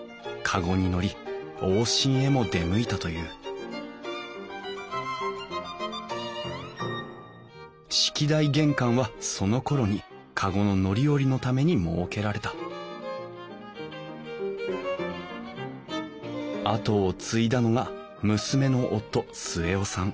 籠に乗り往診へも出向いたという式台玄関はそのころに籠の乗り降りのために設けられた後を継いだのが娘の夫末雄さん。